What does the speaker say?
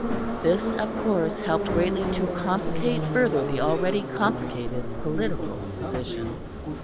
This of course helped greatly to complicate further the already complicated political position.